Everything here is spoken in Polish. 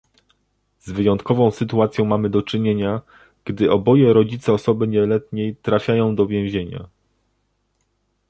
Z wyjątkową sytuacją mamy do czynienia, gdy oboje rodzice osoby nieletniej trafiają do więzienia